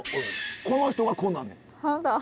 この人がこうなんねん。